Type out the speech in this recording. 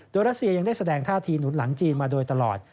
โดยรัสเซียยังได้แสดงท่าทีหนุนหลังจีนมาโดยตลอด